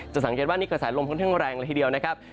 จะสังเกตว่านี่ก็สายลมพักนึงแรงละทีเดียวนะครับ